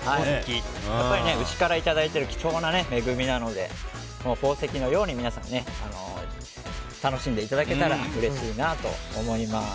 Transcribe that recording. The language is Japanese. やっぱり牛からいただいている貴重な恵みなので宝石のように皆さん、楽しんでいただけたらうれしいなと思います。